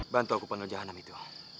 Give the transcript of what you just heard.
bantu aku pengen jahat nam itu